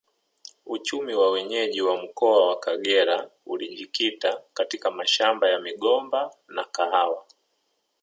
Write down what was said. Uchumi wa wenyeji wa mkoa wa Kagera ulijikita katika mashamba ya migomba na kahawa